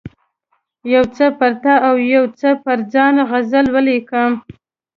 یو څه پر تا او یو څه پر ځان غزل ولیکم.